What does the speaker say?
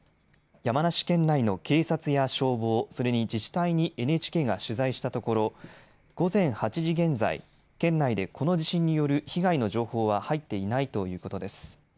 山梨県内の警察や消防、それに自治体にＮＨＫが取材したところ午前８時現在、県内でこの地震による被害の情報は入っていないということです。